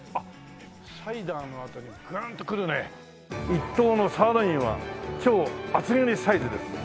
「１等のサーロインは超厚切りサイズ」です。